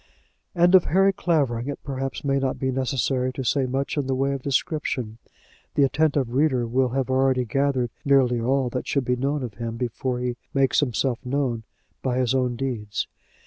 And of Harry Clavering it perhaps may not be necessary to say much in the way of description. The attentive reader will have already gathered nearly all that should be known of him before he makes himself known by his own deeds.